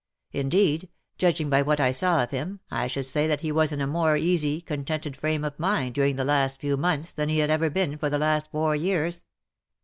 Indeed, judging by wliat I saw of him, I should say that he was in a more easy, contented frame of mind during the last few months than he had ever been for the last four years."